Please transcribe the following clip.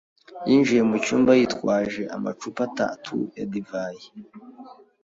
yinjiye mu cyumba yitwaje amacupa atatu ya divayi.